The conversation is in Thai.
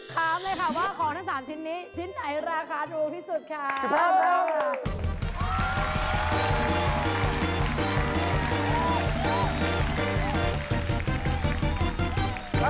ถามเลยค่ะว่าของทั้ง๓ชิ้นนี้ชิ้นไหนราคาถูกที่สุดค่ะ